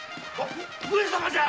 上様じゃ‼